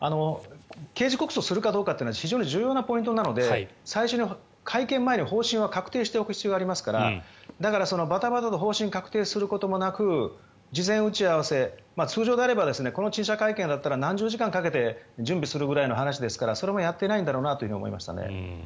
刑事告訴するかどうかというのは非常に重要なポイントなので最初に会見前に方針は確定しておく必要がありますからだから、バタバタと方針を確定することもなく事前打ち合わせ通常であればこの陳謝会見であれば何十時間かけて準備するくらいの話ですからそれもやっていないんだろうなと思いました。